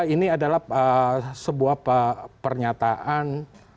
ini adalah sebuah pernyataan